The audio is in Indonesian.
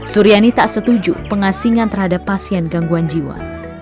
suryani tak setuju pengasingan terhadap pasien gangguan jiwa